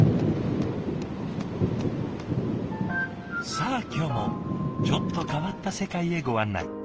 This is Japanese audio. さあ今日もちょっと変わった世界へご案内。